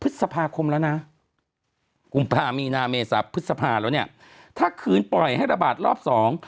ถ้าพึงคืนปล่อยให้ระบาดรอบสอง